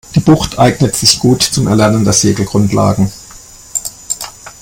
Die Bucht eignet sich gut zum Erlernen der Segelgrundlagen.